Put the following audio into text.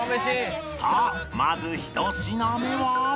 さあまず１品目は